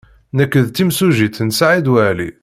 Nekk d timsujjit n Saɛid Waɛli.